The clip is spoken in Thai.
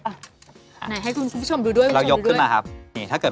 นายให้ของคุณผู้ชมดูด้วย